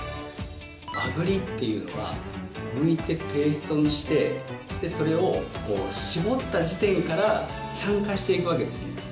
和栗というのはむいてペーストにしてそれを搾った時点から酸化していくわけですね。